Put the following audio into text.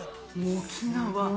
沖縄！